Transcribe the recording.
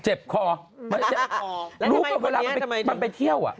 เจ็บคอมันโฉะลุกกว่า๙๐ไปเที่ยว